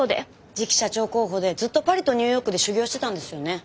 次期社長候補でずっとパリとニューヨークで修業してたんですよね。